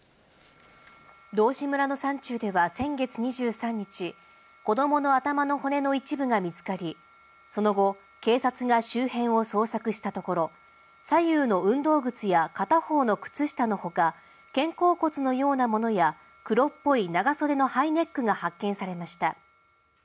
道志村の山中では、先月２３日、子どもの頭の骨の一部が見つかり、その後、警察が周辺を捜索したところ、左右の運動靴や片方の靴下のほか、肩甲骨のようなものや、黒っぽい長袖のハイネックが発見されました。